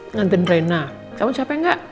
ngantin reina kamu capek gak